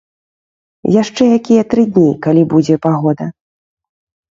Яшчэ якія тры дні, калі будзе пагода.